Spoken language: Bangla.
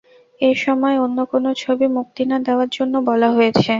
এ সময় অন্য কোনো ছবি মুক্তি না দেওয়ার জন্য বলা হয়েছে।